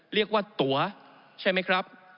เรียกว่าตั๋วใช่ไหมครับ